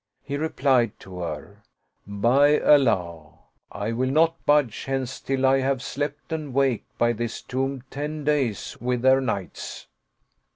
He replied to her, " By Allah, I will not budge hence till I have slept and waked by this tomb ten days with their nights